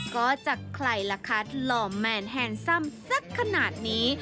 ก็จากใครล่ะคะหล่อแมนแฮนซัมสักขนาดนี้